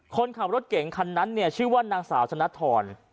คนขับรถเก่งคันนั้นเนี่ยชื่อว่านางสาวธนทร